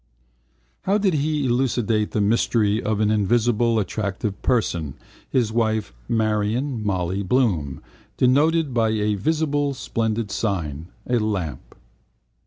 How did he elucidate the mystery of an invisible attractive person, his wife Marion (Molly) Bloom, denoted by a visible splendid sign, a lamp?